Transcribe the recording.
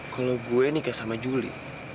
kalau gue nikah sama juli